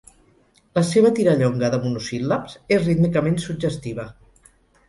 La seva tirallonga de monosíl·labs és rítmicament suggestiva.